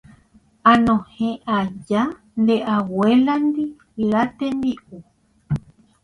anohẽ aja nde abuéla-ndi la tembi'u.